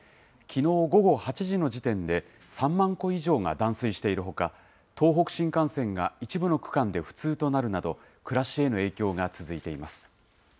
きのう午後８時の時点で、３万戸以上が断水しているほか、東北新幹線が一部の区間で不通となるなど、暮らしへの影響が続いています。